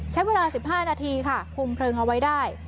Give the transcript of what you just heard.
ใช้เวลา๑๕นาทีค่ะคุมเพลิงเอาไว้ได้